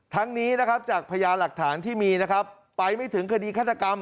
ทั้งนี้นะครับจากพญาหลักฐานที่มีนะครับไปไม่ถึงคดีฆาตกรรม